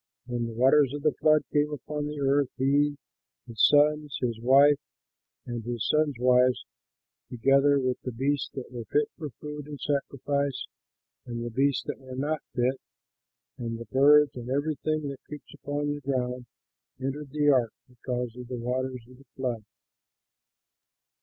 When the waters of the flood came upon the earth, he, his sons, his wife, and his sons' wives, together with the beasts that were fit for food and sacrifice and the beasts that were not fit, and the birds, and everything that creeps upon the ground, entered the ark because of the waters of the flood.